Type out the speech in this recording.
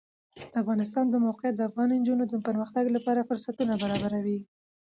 د افغانستان د موقعیت د افغان نجونو د پرمختګ لپاره فرصتونه برابروي.